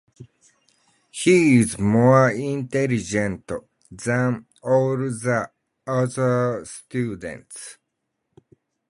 He is more intelligent than all the other students.